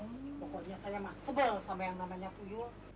banyak yang saya mah sebel sama yang namanya tuyul